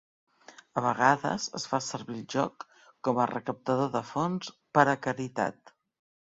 A vegades es fa servir el joc com a recaptador de fons per a caritat.